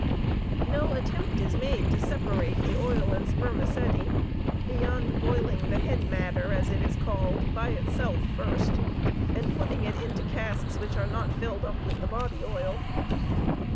No attempt is made to separate the oil and spermaceti beyond boiling the "head matter," as it is called, by itself first, and putting it into casks which are not filled up with the body oil.